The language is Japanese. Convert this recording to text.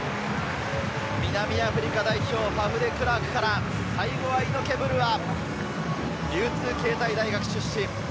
南アフリカ代表のファフ・デクラークから、最後はイノケ・ブルア、流通経済大学出身。